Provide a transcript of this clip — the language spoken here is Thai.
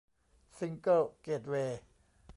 ซิงเกิ้ลเกตเวย์